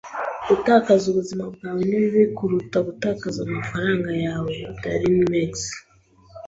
Gutakaza ubuzima bwawe ni bibi kuruta gutakaza amafaranga yawe. (darinmex)